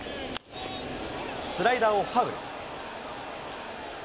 スライダーをファウル。